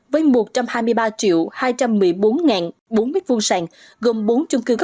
với một trăm hai mươi hộ dân trên bảy chung cư